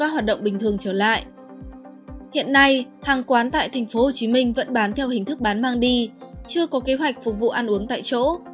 hiện nay hàng quán tại tp hcm vẫn bán theo hình thức bán mang đi chưa có kế hoạch phục vụ ăn uống tại chỗ